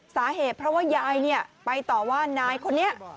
สาเหตุเพราะว่ายายไปต่อว่านายคนนี้